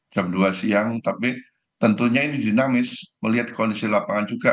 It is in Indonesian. jam dua siang tapi tentunya ini dinamis melihat kondisi lapangan juga